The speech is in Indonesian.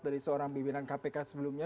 dari seorang pimpinan kpk sebelumnya